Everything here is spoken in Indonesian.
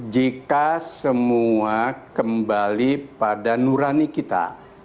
jika semua kembali pada nurani kita